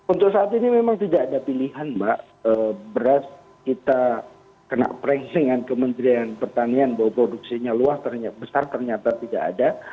untuk saat ini memang tidak ada pilihan mbak beras kita kena pranching dengan kementerian pertanian bahwa produksinya luas ternyata besar ternyata tidak ada